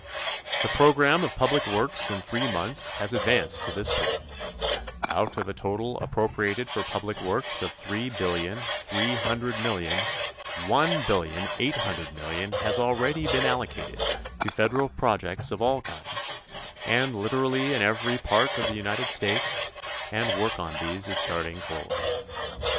The program of public works in three months has advanced to this point: Out of a total appropriated for public works of three billion three hundred million, one billion eight hundred million has already been allocated to federal projects of all kinds and literally in every part of the United States and work on these is starting forward.